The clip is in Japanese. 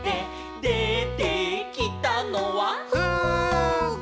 「でてきたのは」「ふーぐ」